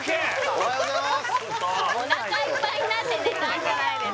おはようございますおなかいっぱいになって寝たんじゃないですか？